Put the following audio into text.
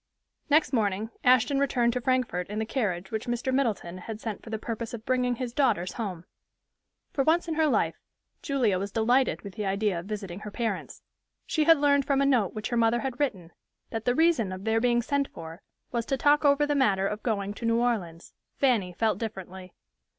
Next morning Ashton returned to Frankfort in the carriage which Mr. Middleton had sent for the purpose of bringing his daughters home. For once in her life, Julia was delighted with the idea of visiting her parents. She had learned from a note which her mother had written that the reason of their being sent for was to talk over the matter of going to New Orleans. Fanny felt differently.